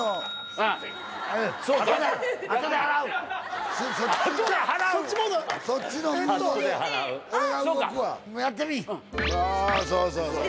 ああそうそうそうそう。